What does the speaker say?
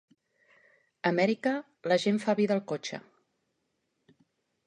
A Amèrica la gent fa vida al cotxe.